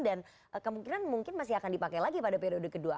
dan kemungkinan mungkin masih akan dipakai lagi pada periode kedua